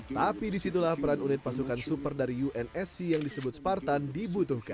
tapi disitulah peran unit pasukan super dari unsc yang disebut spartan dibutuhkan